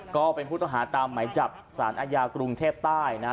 ก็เป็นผู้ต้องหาตามไหมจับสารอาญากรุงเทพใต้นะฮะ